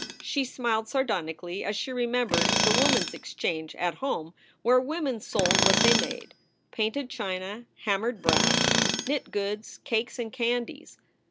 She smiled sardonically as she remembered The Woman s Exchange at home where women sold what they made painted china, hammered brass, knit goods, cakes, and candies.